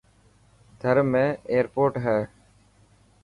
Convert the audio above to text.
ٿر ۾ ايرپوٽ هي.